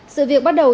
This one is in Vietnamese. sự việc bắt đầu